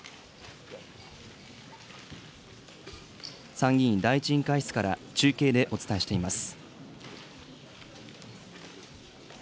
参議院第１委員会室から中継でお伝えしています。